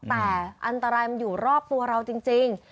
แต่อันตรายมันอยู่รอบตัวเราจริง